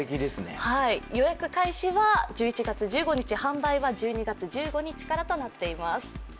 予約開始は１１月１５日、販売は１２月１５日からとなっています。